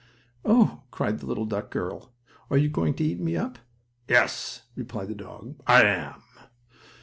"Oh!" cried the little duck girl, "are you going to eat me up?" "Yes," replied the dog, "I am."